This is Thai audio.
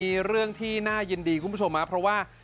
มีเรื่องที่น่ายินดีคุณผู้ชมครับเพราะว่า